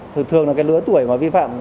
thường thường là cái lứa tuổi mà vi phạm